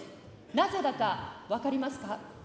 なぜだか分かりますか。